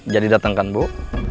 jadi dateng kan bu